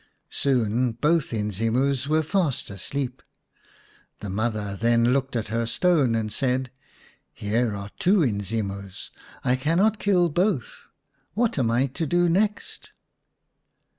Soon both Inzimus were fast asleep. The mother then looked at her stone, and said, " Here are two Inzimus. I cannot kill both. What am I to do next?"